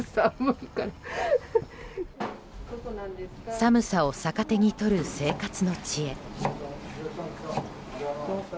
寒さを逆手に取る生活の知恵。